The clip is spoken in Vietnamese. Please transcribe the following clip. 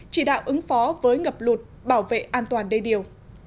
chỉ đạo ứng phó với ngập lụt bảo vệ an toàn đê điều